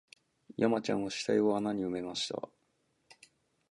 山ちゃんは死体を穴に埋めました